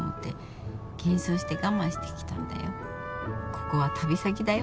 ここは旅先だよ。